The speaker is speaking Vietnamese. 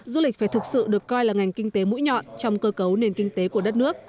du lịch phải thực sự được coi là ngành kinh tế mũi nhọn trong cơ cấu nền kinh tế của đất nước